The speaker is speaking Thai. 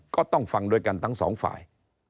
ก็ต้องฟังด้วยกันทั้งสองฝ่าย